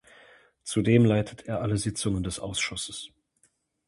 Zudem leitet er alle Sitzungen des Ausschusses.